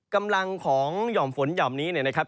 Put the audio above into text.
กำลังของหย่อมฝนหย่อมนี้เนี่ยนะครับ